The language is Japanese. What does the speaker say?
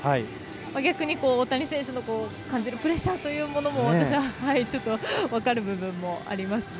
逆に、大谷選手のプレッシャーというものも私はちょっと分かる部分もありますね。